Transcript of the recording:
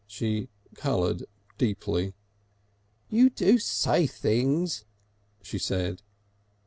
She coloured deeply. "You do say things!" she said.